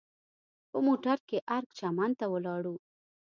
په موټر کې ارګ چمن ته ولاړو.